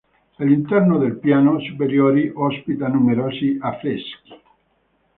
L'interno del piano superiore ospita numerosi affreschi.